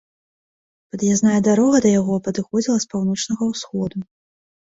Пад'язная дарога да яго падыходзіла з паўночнага ўсходу.